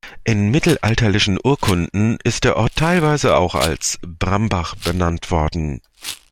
In mittelalterlichen Urkunden ist der Ort teilweise auch als "Brambach" benannt worden.